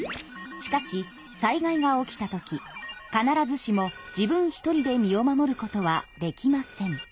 しかし災害が起きた時必ずしも自分１人で身を守ることはできません。